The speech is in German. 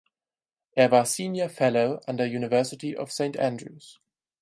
Er war Senior Fellow an der University of St Andrews.